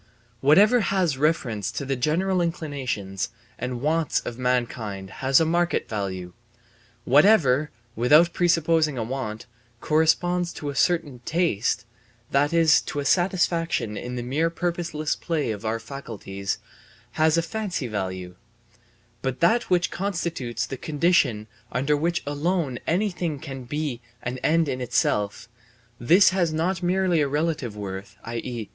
Whatever has reference to the general inclinations and wants of mankind has a market value; whatever, without presupposing a want, corresponds to a certain taste, that is to a satisfaction in the mere purposeless play of our faculties, has a fancy value; but that which constitutes the condition under which alone anything can be an end in itself, this has not merely a relative worth, i.e.